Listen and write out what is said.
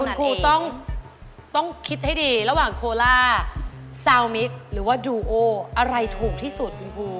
คุณครูต้องคิดให้ดีระหว่างโคล่าซาวมิกหรือว่าดูโออะไรถูกที่สุดคุณครู